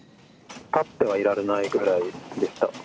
立ってはいられないぐらいでした。